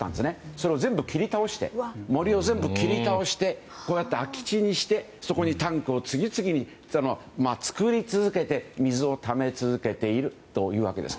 それを全部森を全部切り倒して空き地にしてそこにタンクを次々に作り続けて水をため続けているというわけです。